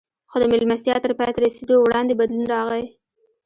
خو د مېلمستیا تر پای ته رسېدو وړاندې بدلون راغی